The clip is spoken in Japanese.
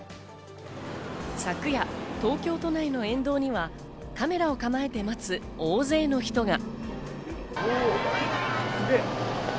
昨夜、東京都内の沿道にはカメラを構えて待つ大勢の人が。